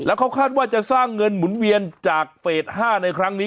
เขาคาดว่าจะสร้างเงินหมุนเวียนจากเฟส๕ในครั้งนี้